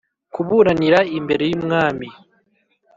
Kuburanira imbere y umwami